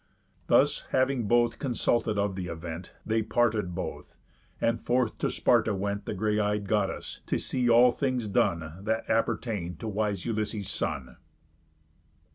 Thus having both consulted of th' event, They parted both; and forth to Sparta went The gray eyed Goddess, to see all things done That appertain'd to wise Ulysses' son.